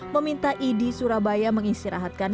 meminta idi surabaya mengistirahatkan